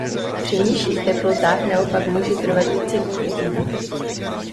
Při nižších teplotách naopak může trvat více dnů i týdnů.